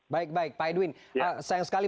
baik baik pak edwin sayang sekali